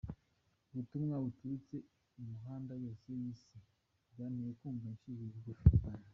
"Ubutumwa buturutse imihanda yose y'isi bwanteye kumva nciye bugufi cyane.